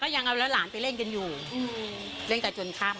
เขามีบทอะไรนะครับว่ามีบทอะไรก็จะถูกสอบตัวเสียหน่อยเลยนะ